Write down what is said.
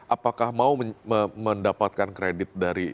apakah mau mendapatkan kredit dari